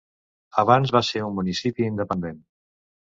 Abans va ser un municipi independent.